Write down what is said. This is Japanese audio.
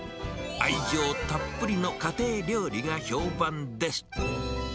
愛情たっぷりの家庭料理が評判です。